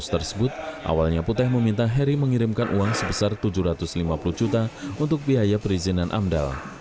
tersebut awalnya putih meminta heri mengirimkan uang sebesar tujuh ratus lima puluh juta untuk biaya perizinan amdal